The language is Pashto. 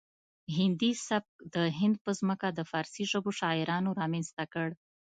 هندي سبک د هند په ځمکه د فارسي ژبو شاعرانو رامنځته کړ